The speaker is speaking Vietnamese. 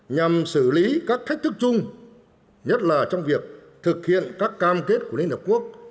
nhằm xử lý các thách thức chung nhất là trong việc thực hiện các cam kết của liên hợp quốc